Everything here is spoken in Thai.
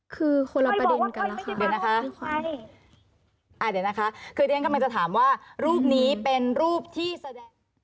คือคนละประเด็นกันละค่ะ